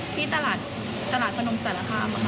ที่ตลาดกระนมสตราคาบช่วยค่ะ